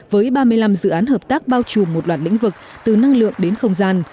với ba mươi năm dự án hợp tác bao trùm một loạt lĩnh vực từ năng lượng đến không gian